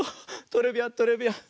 トレビアントレビアン。